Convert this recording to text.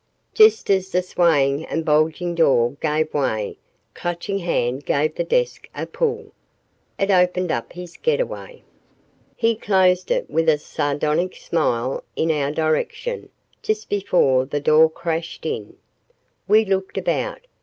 Just as the swaying and bulging door gave way, Clutching Hand gave the desk a pull. It opened up his getaway. He closed it with a sardonic smile in our direction, just before the door crashed in. We looked about.